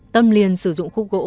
tâm liền sử dụng khu gỗ